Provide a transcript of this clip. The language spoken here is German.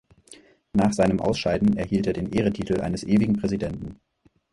Nach seinem Ausscheiden erhielt er den Ehrentitel eines ewigen Präsidenten.